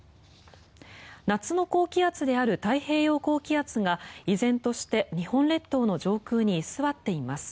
夏の高気圧である太平洋高気圧が依然として日本列島の上空に居座っています。